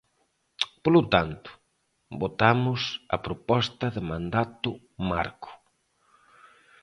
Polo tanto, votamos a proposta de mandato marco.